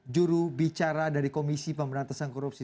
juru bicara dari komisi pemberantasan korupsi